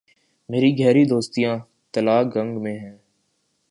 میری گہری دوستیاں تلہ گنگ میں ہیں۔